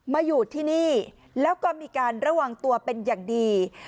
มาอยู่ที่นี่แล้วก็มีการระวังตัวเป็นอย่างดี